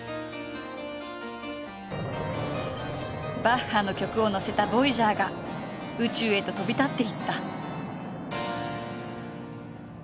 バッハの曲を載せたボイジャーが宇宙へと飛び立っていった。